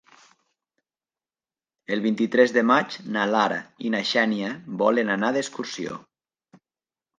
El vint-i-tres de maig na Lara i na Xènia volen anar d'excursió.